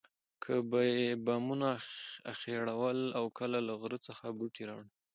کله به یې بامونه اخیړول او کله له غره څخه بوټي راوړل.